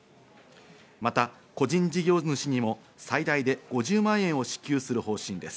また個人事業主にも最大で５０万円を支給する方針です。